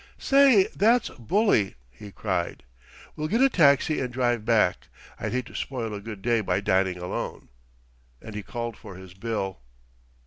"Say, that's bully," he cried. "We'll get a taxi and drive back. I'd hate to spoil a good day by dining alone;" and he called for his bill.